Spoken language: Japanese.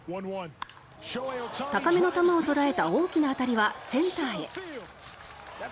高めの球を捉えた大きな当たりはセンターへ。